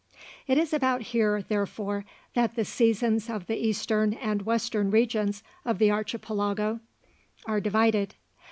It is about here, therefore that the seasons of the eastern and western regions of the Archipelago are divided.